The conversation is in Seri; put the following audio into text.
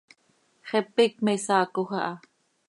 Xepe iicp me saacoj aha.